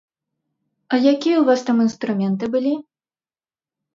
А якія ў вас там інструменты былі?